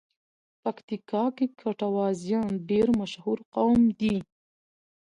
پکیتیکا کې ګټوازیان ډېر مشهور قوم دی.